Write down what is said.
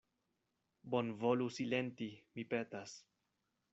Bonvolu silenti, mi petas.